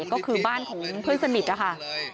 ก็คือบ้านของเพื่อนสนิทนะคะ